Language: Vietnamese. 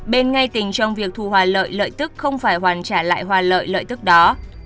ba bên ngay tình trong việc thu hoa lợi lợi tức không phải hoàn trả lại hoa lợi lợi tức đó